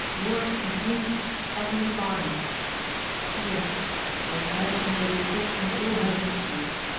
—Yours in haste, EMILY BARNUM. P.S.—I have heard from Lady Courtney all her history.